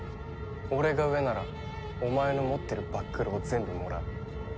俺が上ならお前の持ってるバックルを全部もらう。